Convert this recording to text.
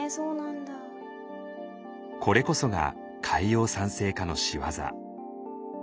これこそが海洋酸性化の仕業。